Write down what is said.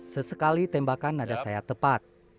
sesekali tembakan nada saya tepat